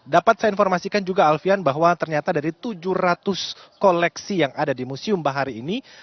dapat saya informasikan juga alfian bahwa ternyata dari tujuh ratus koleksi yang ada di museum bahari ini